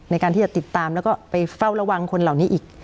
ในการที่จะติดตามแล้วก็ไปเฝ้าระวังคนเหล่านี้อีก